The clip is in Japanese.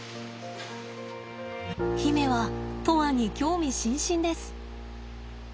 媛は砥愛に興味津々です。